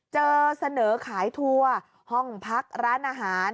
เสนอขายทัวร์ห้องพักร้านอาหาร